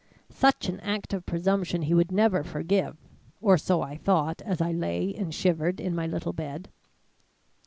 Such an act of presumption he would never forgive, or so I thought as I lay and shivered in my little bed.